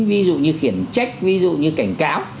ví dụ như khiển trách ví dụ như cảnh cáo